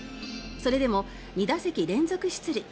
それでも２打席連続出塁。